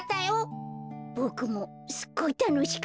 ボクもすっごいたのしかった。